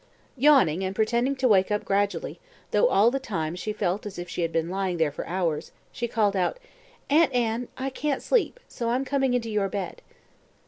Yawning, and pretending to wake up gradually, though all the time she felt as if she had been lying there for hours, she called out, "Aunt Anne, I can't sleep, so I'm coming into your bed."